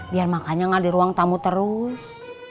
biar makannya nggak ada ruang tamu terus